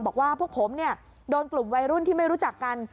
บอกว่าพวกผมเนี่ยโดนกลุ่มวัยรุ่นที่ไม่รู้จักกัน